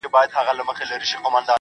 پنجابي پوځ د مقبوضه افغانستان